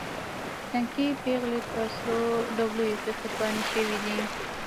تنکۍ پېغلې په سرو ډولیو کې قرباني شوې دي.